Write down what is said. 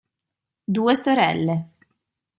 Due Sorelle